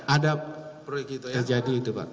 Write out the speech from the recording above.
ada terjadi itu pak